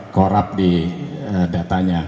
corrupt di datanya